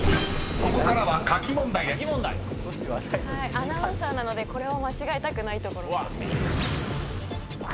アナウンサーなのでこれは間違いたくないところ。